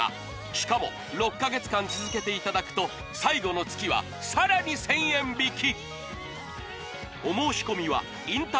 しかも６か月間続けていただくと最後の月はさらに１０００円引き！